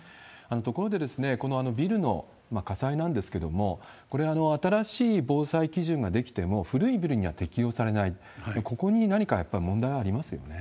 ところで、このビルの火災なんですけれども、これ、新しい防災基準が出来ても、古いビルには適用されない、ここに何かやっぱり問題がありますよね？